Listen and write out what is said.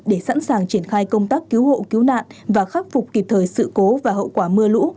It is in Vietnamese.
để sẵn sàng triển khai công tác cứu hộ cứu nạn và khắc phục kịp thời sự cố và hậu quả mưa lũ